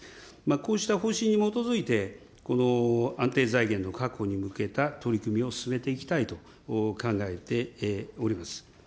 こうした方針に基づいて、安定財源の確保に向けた取り組みを進めていきたいと考えております。